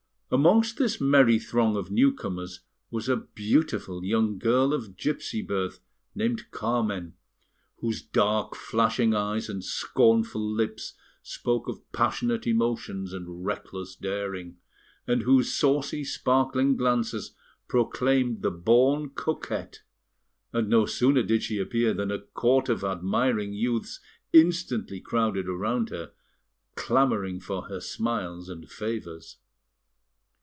Amongst this merry throng of newcomers was a beautiful young girl of gipsy birth, named Carmen, whose dark, flashing eyes and scornful lips spoke of passionate emotions and reckless daring, and whose saucy, sparkling glances proclaimed the born coquette; and no sooner did she appear than a court of admiring youths instantly crowded around her, clamouring for her smiles and favours.